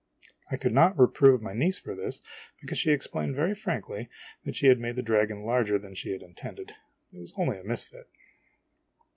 I could not reprove my niece for this, because she ex plained very frankly that she had made the dragon larger than she intended ; it was only a misfit.